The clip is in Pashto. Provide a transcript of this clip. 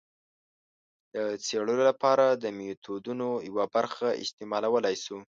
د څېړلو لپاره د میتودونو یوه برخه استعمالولای شو.